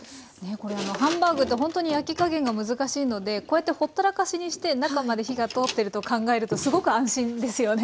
これあのハンバーグって本当に焼き加減が難しいのでこうやってほったらかしにして中まで火が通っていると考えるとすごく安心ですよね。